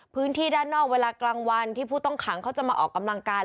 พื้นที่ด้านนอกเวลากลางวันที่ผู้ต้องขังเขาจะมาออกกำลังกาย